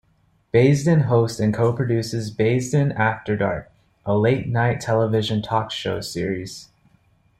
Baisden hosts and co-produces "Baisden After Dark", a late-night television talk show series.